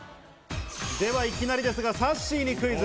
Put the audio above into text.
ではいきなりですが、さっしーにクイズ。